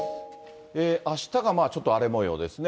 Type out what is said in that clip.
あしたが、まあちょっと荒れもようですね。